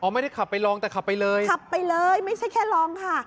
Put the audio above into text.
ไม่ได้ขับไปลองแต่ขับไปเลยขับไปเลยไม่ใช่แค่ลองค่ะ